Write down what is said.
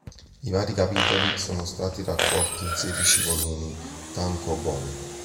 I vari capitoli sono stati raccolti in sedici volumi "tankōbon".